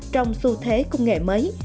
trong xu thế công nghệ mới